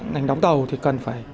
ngành đóng tàu thì cần phải